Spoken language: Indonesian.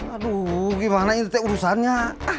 aduh gimana ini urusannya